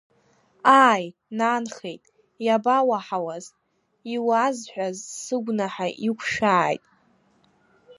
Ааи, нанхеит, иабауаҳауаз, иуазҳәаз сыгәнаҳа иқәшәааит.